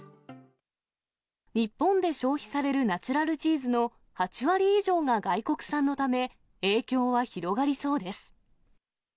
日本で消費されるナチュラルチーズの８割以上が外国産のため、影響は広がりそうです。